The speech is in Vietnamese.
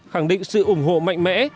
khẳng định sự ủng hộ mạnh mẽ